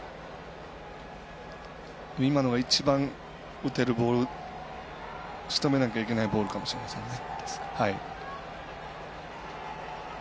今のが、一番打てるボールしとめなきゃいけないボールかもしれませんね。